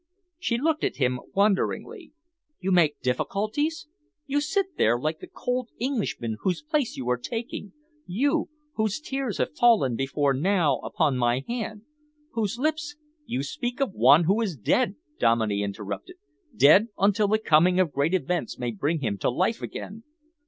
She looked at him wonderingly. "You make difficulties? You sit there like the cold Englishman whose place you are taking, you whose tears have fallen before now upon my hand, whose lips " "You speak of one who is dead," Dominey interrupted, "dead until the coming of great events may bring him to life again.